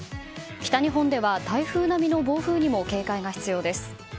北日本では台風並みの暴風にも警戒が必要です。